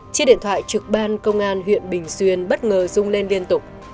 chiếc điện thoại trực ban công an huyện bình xuyên bất ngờ rung lên liên tục